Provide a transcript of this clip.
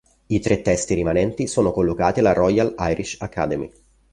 I tre testi rimanenti sono collocati alla Royal Irish Academy.